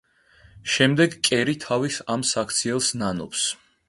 შემდეგ კერი თავის ამ საქციელს ნანობს.